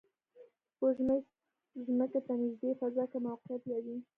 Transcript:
سپوږمۍ ځمکې ته نږدې فضا کې موقعیت لري